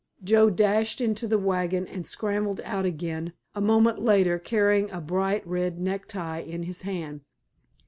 Joe dashed into the wagon and scrambled out again a moment later carrying a bright red necktie in his hand.